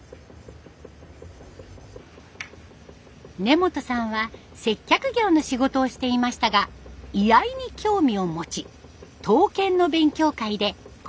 根本さんは接客業の仕事をしていましたが居合に興味を持ち刀剣の勉強会で工房の初代と出会います。